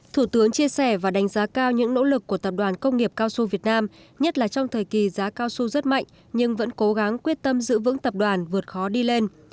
thủ tướng chia sẻ và đánh giá cao những nỗ lực của tập đoàn công nghiệp cao su việt nam nhất là trong thời kỳ giá cao su rất mạnh nhưng vẫn cố gắng quyết tâm giữ vững tập đoàn vượt khó đi lên